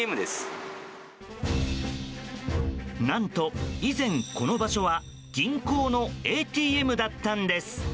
何と、以前この場所は銀行のＡＴＭだったんです。